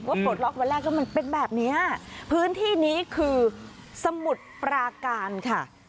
ปลดล็อกวันแรกแล้วมันเป็นแบบเนี้ยพื้นที่นี้คือสมุทรปราการค่ะ